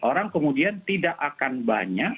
orang kemudian tidak akan banyak